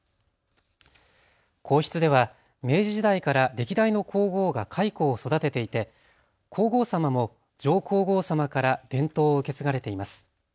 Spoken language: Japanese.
皇室では明治時代から歴代の皇后が蚕を育てていて皇后さまも上皇后さまから伝統を受け継がれています。